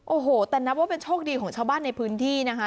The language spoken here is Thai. โอ้โหแต่นับว่าเป็นโชคดีของชาวบ้านในพื้นที่นะคะ